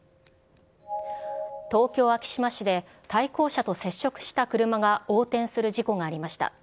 東京・昭島市で対向車と接触した車が横転する事故がありました。